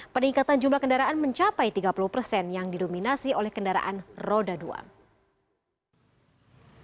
peningkatan jumlah kendaraan mencapai tiga puluh persen yang didominasi oleh kendaraan roda dua